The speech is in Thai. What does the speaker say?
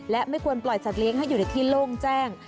และไม่ควรปล่อยสัตว์เลี้ยงให้อยู่ในที่โล่งแจ้ง